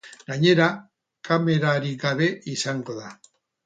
Gainera, kamerarik gabe izango da.